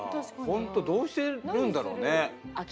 ホントどうしてるんだろうね？